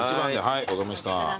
はい分かりました。